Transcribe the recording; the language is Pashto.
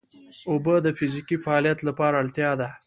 اوبه د فزیکي فعالیت لپاره اړتیا ده